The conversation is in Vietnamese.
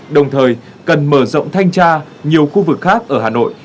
đồng thời cần mở rộng thanh tra nhiều khu vực khác ở hà nội